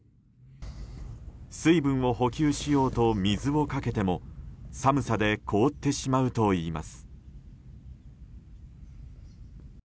水分を補給しようと水をかけても寒さで凍ってしまうといいます。